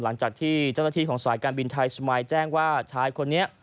หลังจากที่เจ้าหน้าที่ของสายการบินไทยสมายแจ้งว่าชายคนนี้